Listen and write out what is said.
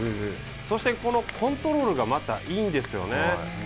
そして、このコントロールがまたいいんですよね。